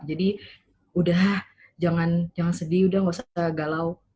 jadi udah jangan sedih udah gak usah galau